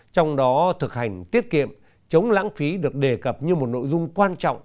trong đó thực hành tiết kiệm chống lãng phí được đề cập như một nội dung quan trọng